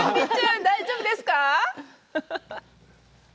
大丈夫ですか？